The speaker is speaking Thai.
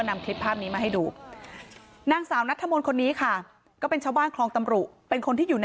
นางสาวนัสธมลโรงพื้งอายุ๒๔ปี